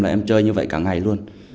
là em chơi như vậy cả ngày luôn